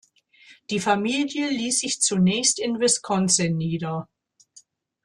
Die Familie ließ sich zunächst in Wisconsin nieder.